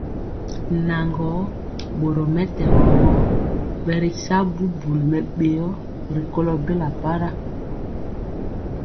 Naŋgɔɔ, boromɛtɛgɔ gɔ, bɛritya bubuli mɛbéo rikɔlɔ bela para,